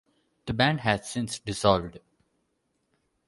The band has since dissolved.